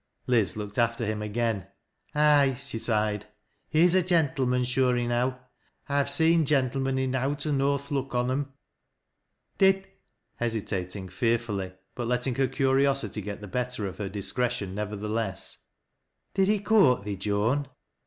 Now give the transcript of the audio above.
Liz looked after him again. " Aye," she sighed, " he's a gentleman sure enow. I've seed gentlemen enow to know th' look on 'em. Did " hesitating fearfully, but letting her curiosity get the bet ter of her discretion nevertheless, —" did he court thee, Joan